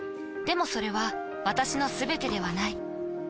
でもそれは私のすべてではない。